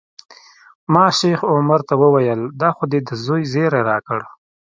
ما شیخ عمر ته وویل دا خو دې د زوی زیری راکړ.